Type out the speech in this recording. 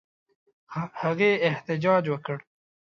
هغې احتجاج وکړ.